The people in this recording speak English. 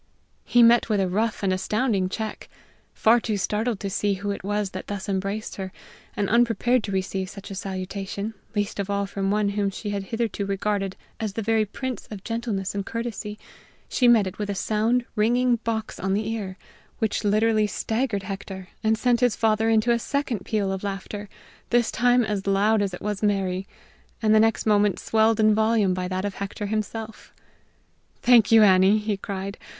He met with a rough and astounding check. Far too startled to see who it was that thus embraced her, and unprepared to receive such a salutation, least of all from one she had hitherto regarded as the very prince of gentleness and courtesy, she met it with a sound, ringing box on the ear, which literally staggered Hector, and sent his father into a second peal of laughter, this time as loud as it was merry, and the next moment swelled in volume by that of Hector himself. "Thank you, Annie!" he cried.